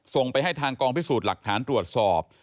ส่งไปให้ทางกองพิสูจน์หลักฐานตรวจสอบ